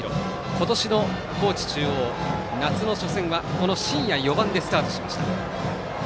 今年の高知中央夏の初戦は新家４番でスタートしました。